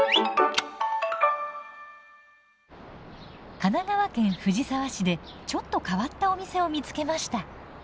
神奈川県藤沢市でちょっと変わったお店を見つけました。